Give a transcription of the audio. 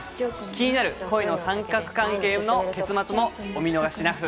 気になる恋の三角関係の結末もお見逃しなく！